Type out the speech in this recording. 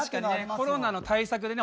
コロナの対策でね